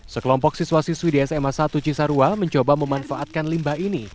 sekelompok siswa siswi di sma satu cisarua mencoba memanfaatkan limbah ini